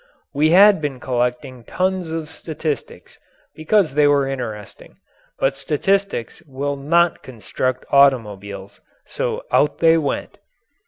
We had been collecting tons of statistics because they were interesting. But statistics will not construct automobiles so out they went.